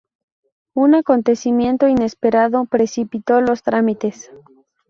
Un acontecimiento inesperado precipitó los trámites.